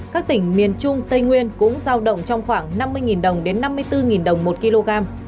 các tỉnh miền trung tây nguyên cũng giao động trong khoảng năm mươi đồng đến năm mươi bốn đồng một kg